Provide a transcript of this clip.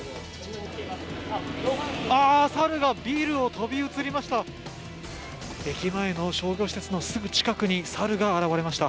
猿がビルを飛び移りました。